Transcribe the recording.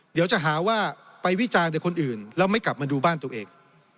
เดี๋ยวจะหาว่าไปวิจารณ์แต่คนอื่นแล้วไม่กลับมาดูบ้านตัวเอง